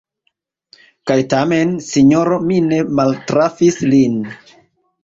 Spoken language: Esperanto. Kaj tamen, sinjoro, mi ne maltrafis lin.